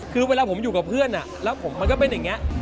คือเวลาผมอยู่กับเพื่อนแล้วมันก็เป็นอย่างนี้